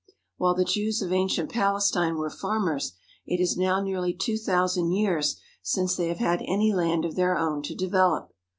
While the Jews of ancient Palestine were farmers, it is now nearly two thousand years since they have had any land of their own to develop.